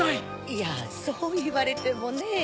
いやそういわれてもねぇ。